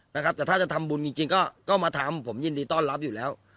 นะครับแต่ถ้าจะทำบุญจริงจริงก็มาทำผมยินดีต้อนรับอยู่แล้ว